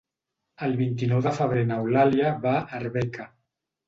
El vint-i-nou de febrer n'Eulàlia va a Arbeca.